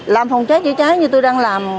làm phòng cháy chữa cháy như tôi đang làm